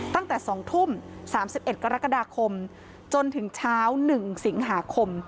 ตั้งแต่สองทุ่มสามสิบเอ็ดกรกฎาคมจนถึงเช้าหนึ่งสิงหาคม